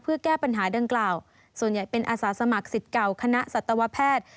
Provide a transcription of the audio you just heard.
เพื่อแก้ปัญหาดังกล่าวส่วนใหญ่เป็นอาสาสมัครสิทธิ์เก่าคณะสัตวแพทย์